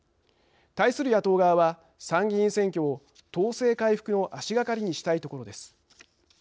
対する野党側は参議院選挙を党勢回復の足がかりにしたいところです。